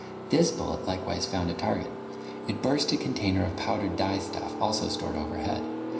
This bullet likewise found a target. It burst a container of powdered dye stuff, also stored overhead.